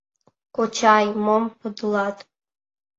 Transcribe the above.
— Кочай, мом подылат?